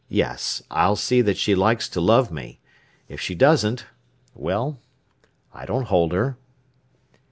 "Yes; I'll see that she likes to love me. If she doesn't—well, I don't hold her."